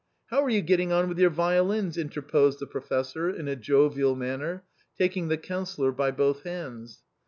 " How are you getting on with your violins ?" inter posed the Professor in a jovial manner, taking the Councillor by both hands.